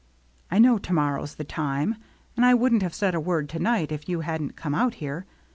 I know to morrow's the time ; and I wouldn't have said a word to night if you hadn't come out here.